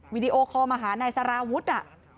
วิดีโอคอลมาหานายสารวุฒิ